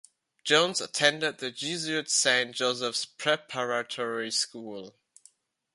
Jones attended the Jesuit Saint Joseph's Preparatory School.